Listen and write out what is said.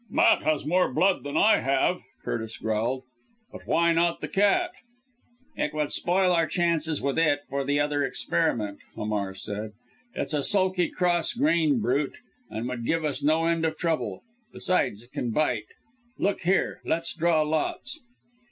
"Matt has more blood than I have!" Curtis growled; "but why not the cat?" "It would spoil our chances with it for the other experiment," Hamar said. "It's a sulky, cross grained brute, and would give us no end of trouble. Besides it can bite. Look here, let's draw lots!"